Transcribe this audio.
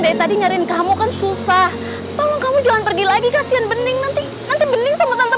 dari tadi nyariin kamu kan susah tolong kamu jangan pergi lagi kasihan bening nanti nanti bening sama tante